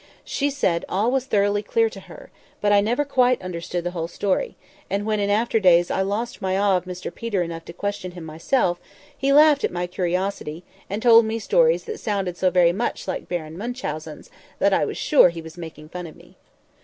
She said all was thoroughly clear to her; but I never quite understood the whole story; and when in after days I lost my awe of Mr Peter enough to question him myself, he laughed at my curiosity, and told me stories that sounded so very much like Baron Munchausen's, that I was sure he was making fun of me.